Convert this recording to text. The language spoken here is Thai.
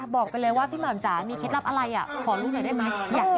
บอกกันเลยว่าพี่หม่ำจะมีเคล็ดลับอะไรอะ